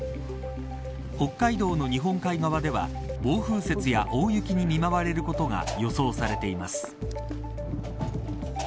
北海道の日本海側では暴風雪や大雪に見舞われることが予想されています。